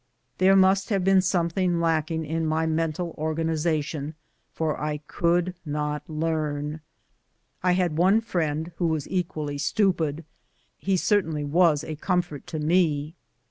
There must have been something lacking in my mental organization, for I could not learn. I had one friend who was equally stupid. He certainly was a comfort to me.